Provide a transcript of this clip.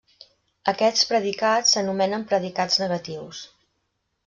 Aquests predicats s'anomenen predicats negatius.